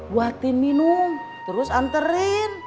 buatin minum terus anterin